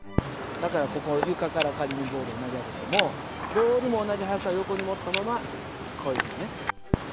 だから床から仮にボールを投げ上げてもボールも同じ速さで横に持ったままこういうふうにね。